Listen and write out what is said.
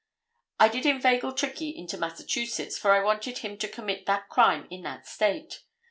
"I did inveigle Trickey into Massachusetts, for I wanted him to commit that crime in that State.